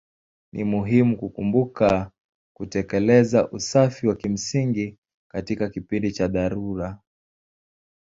Ni muhimu kukumbuka kutekeleza usafi wa kimsingi katika kipindi cha dharura.